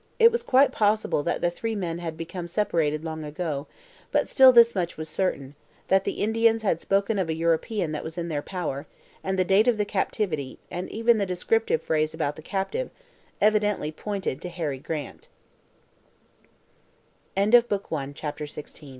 It was quite possible that the three men had become separated long ago; but still this much was certain, that the Indians had spoken of a European that was in their power; and the date of the captivity, and even the descriptive phrase about the captive, evidently pointed to Harry